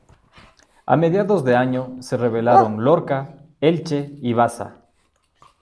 A mediados de año, se rebelaron Lorca, Elche y Baza.